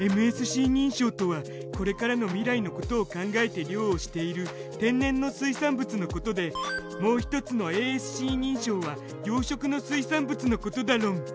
ＭＳＣ認証とはこれからの未来のことを考えて漁をしている天然の水産物のことでもう一つのａｓｃ認証は養殖の水産物のことだろん。